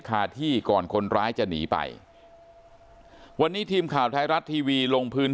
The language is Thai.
คาที่ก่อนคนร้ายจะหนีไปวันนี้ทีมข่าวไทยรัฐทีวีลงพื้น